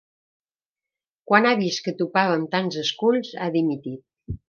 Quan ha vist que topava amb tants esculls, ha dimitit.